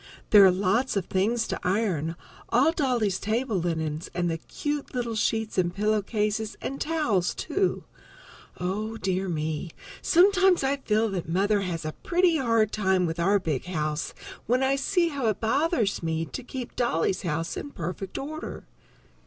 There are lots of things to iron, all Dolly's table linen and the cute little sheets and pillow cases and towels, too. Oh, dear me! Sometimes I feel that Mother has a pretty hard time with our big house when I see how it bothers me to keep Dolly's house in perfect order.